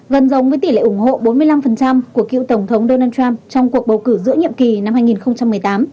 gần giống với tỷ lệ ủng hộ bốn mươi năm của cựu tổng thống donald trump trong cuộc bầu cử giữa nhiệm kỳ năm hai nghìn một mươi tám